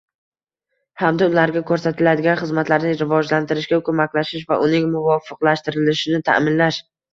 hamda ularga ko'rsatiladigan xizmatlarni rivojlantirishga ko'maklashish va uning muvofiqlashtirilishini ta'minlash